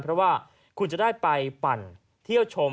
เพราะว่าคุณจะได้ไปปั่นเที่ยวชม